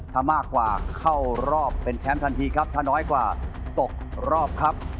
ถ้ามากกว่าเข้ารอบเป็นแชมป์ทันทีครับถ้าน้อยกว่าตกรอบครับ